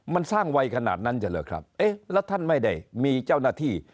มันสร้างไวขนาดนั้นจะเหรอครับเอ๊ะแล้วท่านไม่ได้มีเจ้าหน้าที่